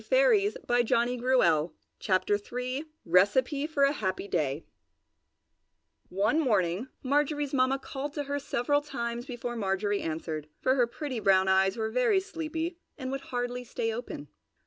RECIPE FOR A HAPPY DAY One morning Marjorie's Mamma called to her several times before Marjorie answered, for her pretty brown eyes were very sleepy and would hardly stay open.